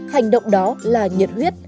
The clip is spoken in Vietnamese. hành động đó là nhiệt huyết